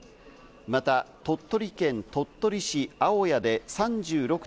また鳥取県鳥取市青谷で３６．８度。